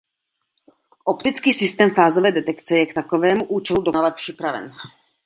Optický systém fázové detekce je k takovému účelu dokonale připraven.